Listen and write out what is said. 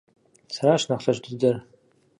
Сэращ нэхъ лъэщ дыдэр!